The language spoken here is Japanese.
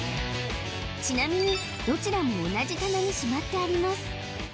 ちなみにどちらも同じ棚にしまってあります